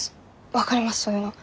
分かりますそういうの。